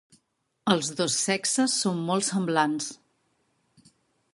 Els dos sexes són molt semblants.